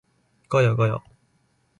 ガヤガヤ